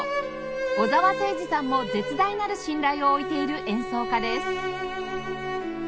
小澤征爾さんも絶大なる信頼を置いている演奏家です